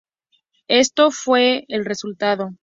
Esto fue el resultado.